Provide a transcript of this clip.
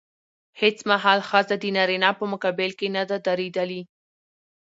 هېڅ مهال ښځه د نارينه په مقابل کې نه ده درېدلې.